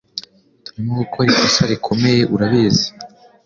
Turimo gukora ikosa rikomeye, urabizi.